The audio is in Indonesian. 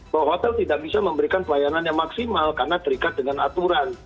bahwa hotel tidak bisa memberikan pelayanan yang maksimal karena terikat dengan aturan